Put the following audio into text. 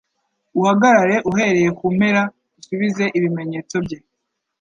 uhagarare uhereye kumpera usubize ibimenyetso bye